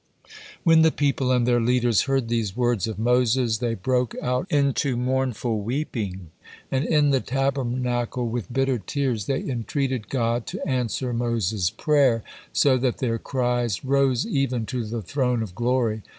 '" When the people and their leaders heard these words of Moses, they broke out into mournful weeping, and in the Tabernacle with bitter tears they entreated God to answer Moses' prayer, so that their cries rose even to the Throne of Glory.